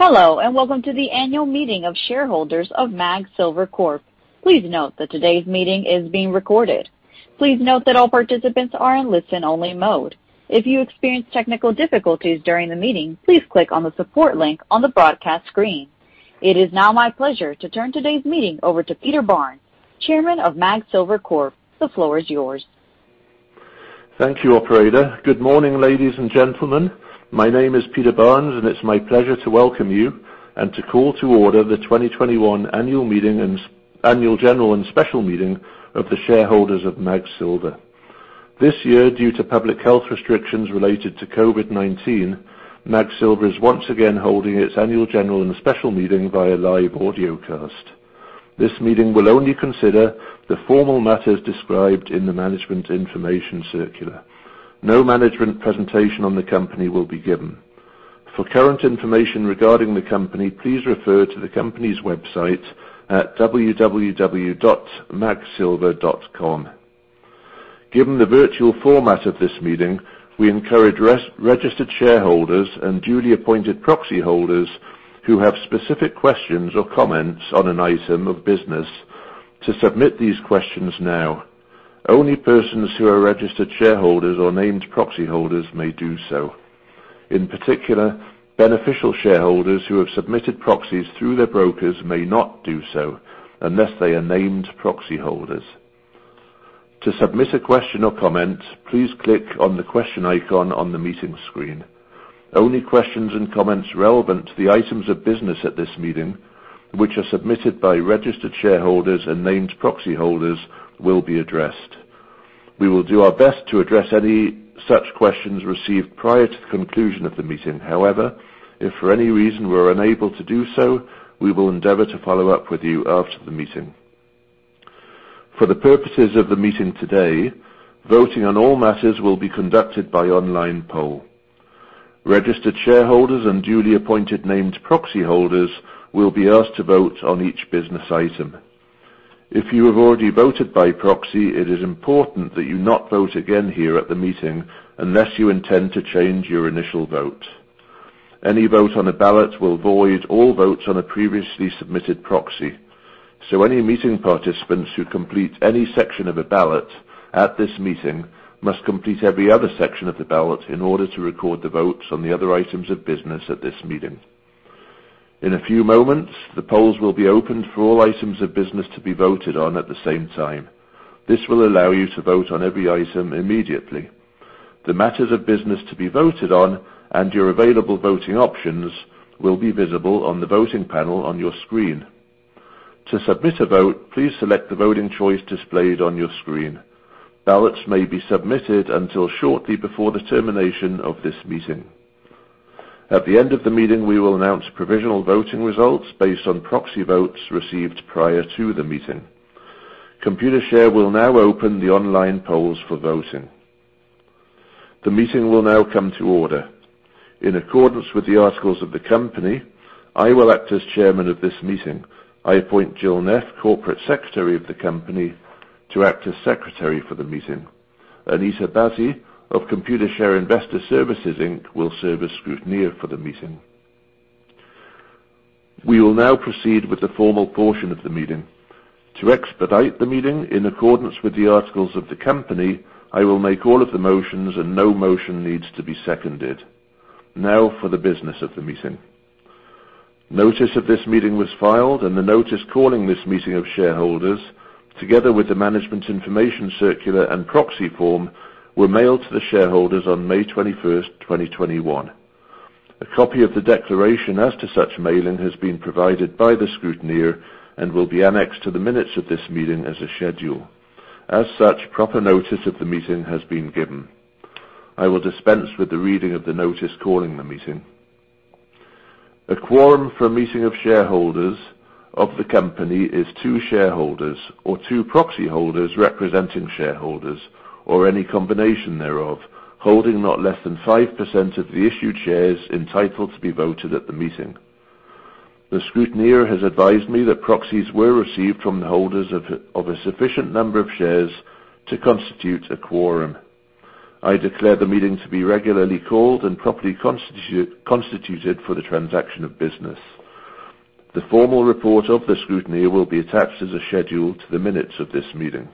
Hello, and welcome to the annual meeting of shareholders of MAG Silver Corp. Please note that today's meeting is being recorded. Please note that all participants are in listen-only mode. If you experience technical difficulties during the meeting, please click on the support link on the broadcast screen. It is now my pleasure to turn today's meeting over to Peter Barnes, Chairman of MAG Silver Corp. The floor is yours. Thank you, operator. Good morning, ladies and gentlemen. My name is Peter Barnes, it's my pleasure to welcome you and to call to order the 2021 annual general and special meeting of the shareholders of MAG Silver. This year, due to public health restrictions related to COVID-19, MAG Silver is once again holding its annual general and special meeting via live audiocast. This meeting will only consider the formal matters described in the management information circular. No management presentation on the company will be given. For current information regarding the company, please refer to the company's website at www.magsilver.com. Given the virtual format of this meeting, we encourage registered shareholders and duly appointed proxy holders who have specific questions or comments on an item of business to submit these questions now. Only persons who are registered shareholders or named proxy holders may do so. In particular, beneficial shareholders who have submitted proxies through their brokers may not do so unless they are named proxy holders. To submit a question or comment, please click on the question icon on the meeting screen. Only questions and comments relevant to the items of business at this meeting, which are submitted by registered shareholders and named proxy holders, will be addressed. We will do our best to address any such questions received prior to the conclusion of the meeting. If for any reason we're unable to do so, we will endeavor to follow up with you after the meeting. For the purposes of the meeting today, voting on all matters will be conducted by online poll. Registered shareholders and duly appointed named proxy holders will be asked to vote on each business item. If you have already voted by proxy, it is important that you not vote again here at the meeting unless you intend to change your initial vote. Any vote on a ballot will void all votes on a previously submitted proxy. Any meeting participants who complete any section of a ballot at this meeting must complete every other section of the ballot in order to record the votes on the other items of business at this meeting. In a few moments, the polls will be opened for all items of business to be voted on at the same time. This will allow you to vote on every item immediately. The matters of business to be voted on and your available voting options will be visible on the voting panel on your screen. To submit a vote, please select the voting choice displayed on your screen. Ballots may be submitted until shortly before the termination of this meeting. At the end of the meeting, we will announce provisional voting results based on proxy votes received prior to the meeting. Computershare will now open the online polls for voting. The meeting will now come to order. In accordance with the articles of the company, I will act as chairman of this meeting. I appoint Jill Neff, Corporate Secretary of the company, to act as secretary for the meeting. Anita Bhatti of Computershare Investor Services Inc. will serve as scrutineer for the meeting. We will now proceed with the formal portion of the meeting. To expedite the meeting, in accordance with the articles of the company, I will make all of the motions and no motion needs to be seconded. Now for the business of the meeting. Notice of this meeting was filed and the notice calling this meeting of shareholders, together with the management information circular and proxy form, were mailed to the shareholders on May 21st, 2021. A copy of the declaration as to such mailing has been provided by the Scrutineer and will be annexed to the minutes of this meeting as a schedule. As such, proper notice of the meeting has been given. I will dispense with the reading of the notice calling the meeting. A quorum for a meeting of shareholders of the company is two shareholders or two proxy holders representing shareholders or any combination thereof, holding not less than 5% of the issued shares entitled to be voted at the meeting. The Scrutineer has advised me that proxies were received from the holders of a sufficient number of shares to constitute a quorum. I declare the meeting to be regularly called and properly constituted for the transaction of business. The formal report of the scrutineer will be attached as a schedule to the minutes of this meeting.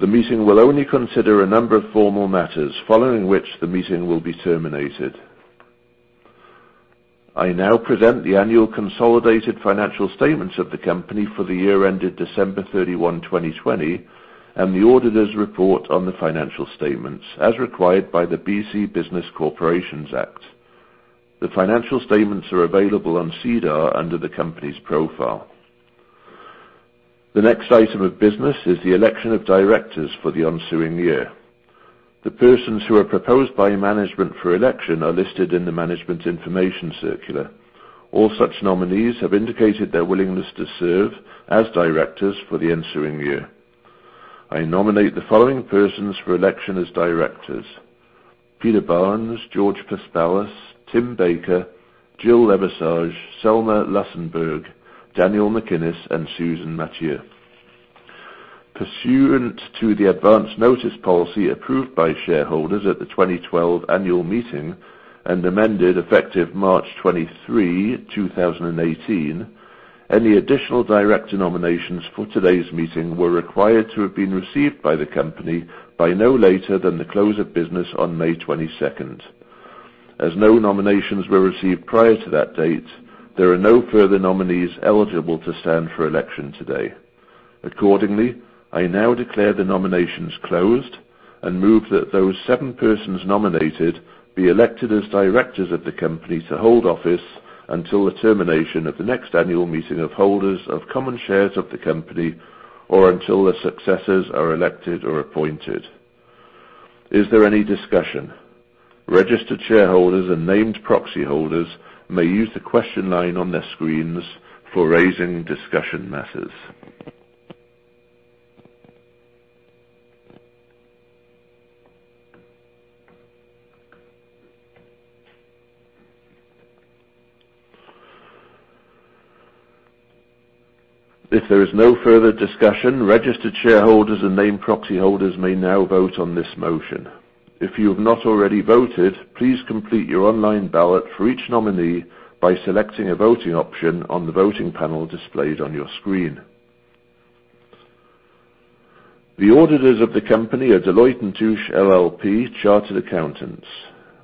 The meeting will only consider a number of formal matters, following which the meeting will be terminated. I now present the annual consolidated financial statements of the company for the year ended December 31, 2020, and the auditor's report on the financial statements, as required by the Business Corporations Act. The financial statements are available on SEDAR under the company's profile. The next item of business is the election of directors for the ensuing year. The persons who are proposed by management for election are listed in the management information circular. All such nominees have indicated their willingness to serve as directors for the ensuing year. I nominate the following persons for election as directors: Peter Barnes, George Paspalas, Tim Baker, Jill Leversage, Selma Lussenburg, Daniel MacInnis, and Susan Mathieu. Pursuant to the advanced notice policy approved by shareholders at the 2012 annual meeting and amended effective March 23, 2018, any additional director nominations for today's meeting were required to have been received by the company by no later than the close of business on May 22nd. As no nominations were received prior to that date, there are no further nominees eligible to stand for election today. Accordingly, I now declare the nominations closed and move that those seven persons nominated be elected as directors of the company to hold office until the termination of the next annual meeting of holders of common shares of the company, or until their successors are elected or appointed. Is there any discussion? Registered shareholders and named proxy holders may use the question line on their screens for raising discussion matters. If there is no further discussion, registered shareholders and named proxy holders may now vote on this motion. If you have not already voted, please complete your online ballot for each nominee by selecting a voting option on the voting panel displayed on your screen. The auditors of the company are Deloitte & Touche LLP Chartered Accountants.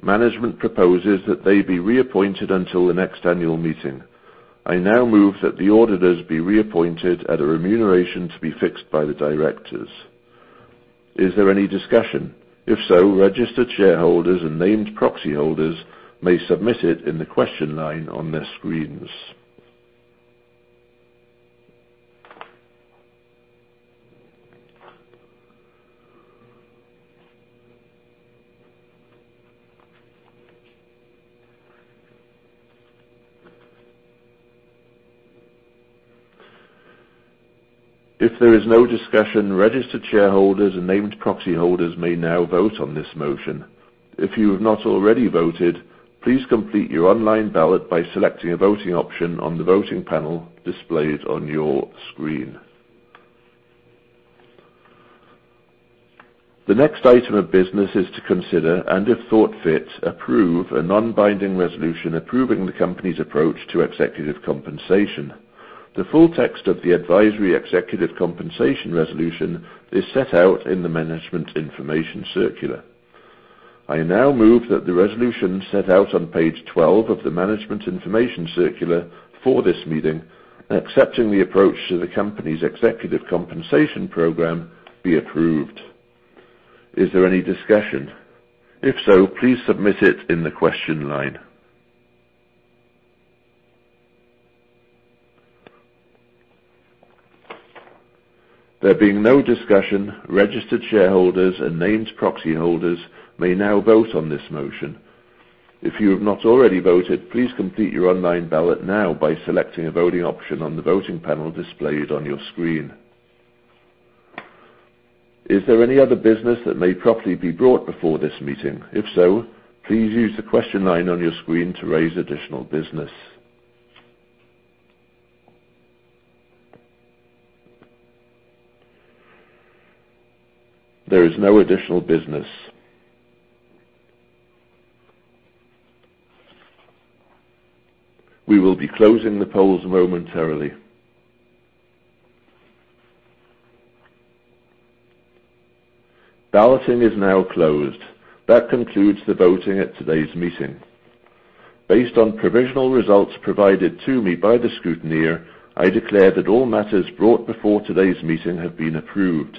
Management proposes that they be reappointed until the next annual meeting. I now move that the auditors be reappointed at a remuneration to be fixed by the directors. Is there any discussion? If so, registered shareholders and named proxy holders may submit it in the question line on their screens. If there is no discussion, registered shareholders and named proxy holders may now vote on this motion. If you have not already voted, please complete your online ballot by selecting a voting option on the voting panel displayed on your screen. The next item of business is to consider, and if thought fit, approve a non-binding resolution approving the company's approach to executive compensation. The full text of the advisory executive compensation resolution is set out in the management information circular. I now move that the resolution set out on page 12 of the management information circular for this meeting, accepting the approach to the company's executive compensation program, be approved. Is there any discussion? If so, please submit it in the question line. There being no discussion, registered shareholders and named proxy holders may now vote on this motion. If you have not already voted, please complete your online ballot now by selecting a voting option on the voting panel displayed on your screen. Is there any other business that may properly be brought before this meeting? If so, please use the question line on your screen to raise additional business. There is no additional business. We will be closing the polls momentarily. Balloting is now closed. That concludes the voting at today's meeting. Based on provisional results provided to me by the scrutineer, I declare that all matters brought before today's meeting have been approved.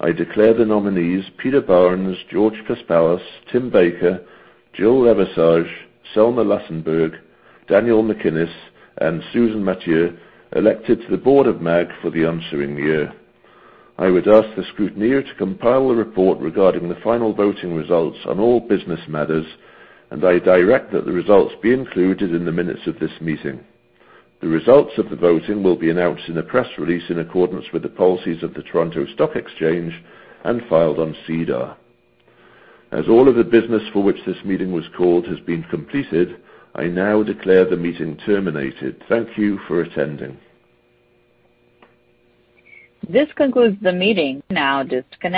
I declare the nominees Peter Barnes, George Paspalas, Tim Baker, Jill Leversage, Selma Lussenburg, Daniel MacInnis, and Susan Mathieu elected to the Board of MAG for the ensuing year. I would ask the scrutineer to compile a report regarding the final voting results on all business matters, and I direct that the results be included in the minutes of this meeting. The results of the voting will be announced in a press release in accordance with the policies of the Toronto Stock Exchange and filed on SEDAR. As all of the business for which this meeting was called has been completed, I now declare the meeting terminated. Thank you for attending. This concludes the meeting.